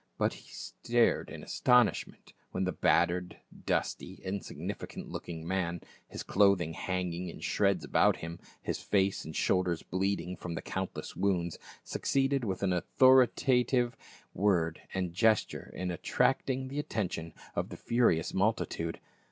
But he stared in astonishment when the battered, dusty, insignificant looking man, his clothing hanging in shreds about him, his face and shoulders bleeding from countless wounds, succeeded with an authoritative word and gesture in attracting the attention of the furious multitude.